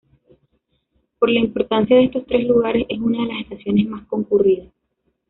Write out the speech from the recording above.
Por la importancia de estos tres lugares, es una de las estaciones más concurridas.